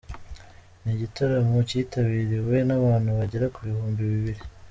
Ni igitaramo cyitabiriwe n’abantu bagera ku bihumbi bibiri.